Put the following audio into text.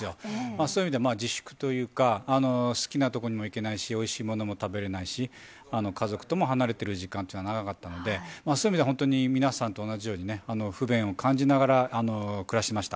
そういう意味では自粛というか、好きな所にも行けないし、おいしいものも食べれないし、家族とも離れてる時間というのは長かったので、そういう意味では本当、皆さんと同じように不便を感じながら暮らしました。